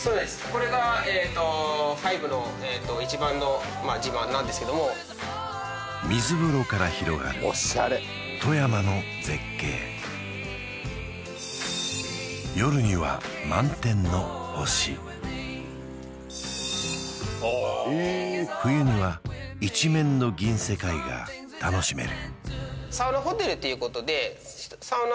これがえとなんですけども水風呂から広がる富山の絶景夜には満天の星おおへえ冬には一面の銀世界が楽しめる